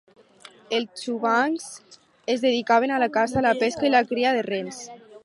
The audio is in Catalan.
Els txuvans es dedicaven a la caça, la pesca i la cria de rens.